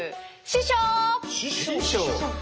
師匠。